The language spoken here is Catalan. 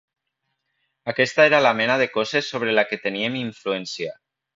Aquesta era la mena de coses sobre la que teníem influència.